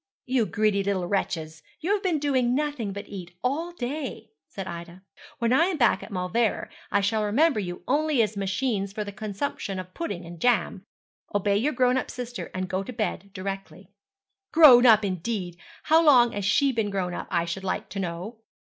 'You greedy little wretches; you have been doing nothing but eat all day,' said Ida. 'When I am back at Mauleverer I shall remember you only as machines for the consumption of pudding and jam. Obey your grown up sister, and go to bed directly.' 'Grown up, indeed! How long has she been grown up, I should like to know!'